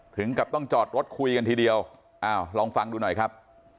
ถึงกับต้องจอดรถคุยกันทีเดียวอ้าวลองฟังดูหน่อยครับ